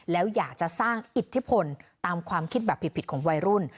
แล้วอยากจะสร้างอิทธิพลตามความคิดแบบผิดของวัยรุ่น